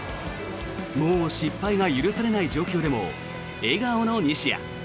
もう失敗は許されない状況でも笑顔の西矢。